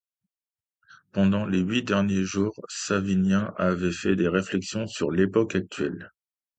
Pendant les huit derniers jours Savinien avait fait des réflexions sur l’époque actuelle.